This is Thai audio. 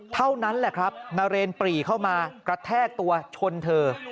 เท่านั้นแหละครับนาเรนปรีเข้ามากระแทกตัวชนเธอ